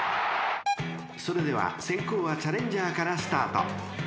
［それでは先攻はチャレンジャーからスタート］